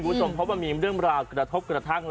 คุณผู้ชมเพราะมันมีเรื่องราวกระทบกระทั่ง